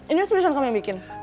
ini solution kamu yang bikin